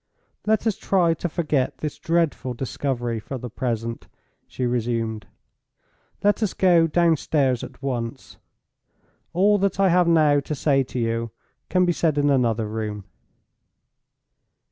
"Let us try to forget this dreadful discovery for the present," she resumed; "let us go downstairs at once. All that I have now to say to you can be said in another room."